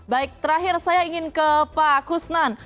baik terakhir saya ingin ke pak kusnan